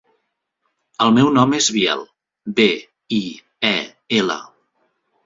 El meu nom és Biel: be, i, e, ela.